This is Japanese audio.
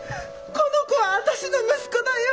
この子は私の息子だよ！